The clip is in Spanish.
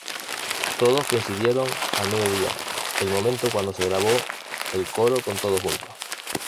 Todos coincidieron al mediodía, el momento cuando se grabó el coro con todos juntos.